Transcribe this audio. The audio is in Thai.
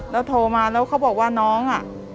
แล้วโทรมาแล้วเขาบอกว่าน้องอ่ะ